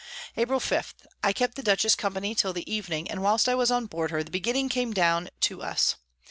April 5. I kept the Dutchess company till the Evening; and whilst I was on board her, the Beginning came down to us.